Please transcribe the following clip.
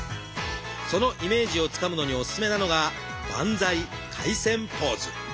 そのイメージをつかむのにおすすめなのが「バンザイ回旋ポーズ」。